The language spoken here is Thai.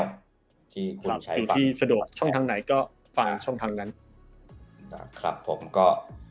อยู่ที่สะดวกช่องทางไหนก็ฝากช่องทางกัน